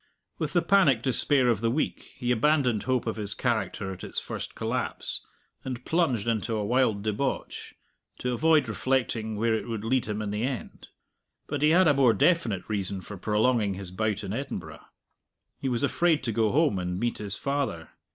With the panic despair of the weak, he abandoned hope of his character at its first collapse, and plunged into a wild debauch, to avoid reflecting where it would lead him in the end. But he had a more definite reason for prolonging his bout in Edinburgh. He was afraid to go home and meet his father.